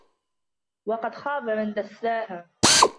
وَقَدْ خَابَ مَنْ دَسَّاهَا